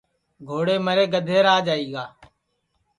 گھوڑے مرے گدھے راج آئی گا